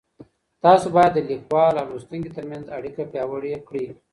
تاسو بايد د ليکوال او لوستونکي تر منځ اړيکه پياوړې کړئ.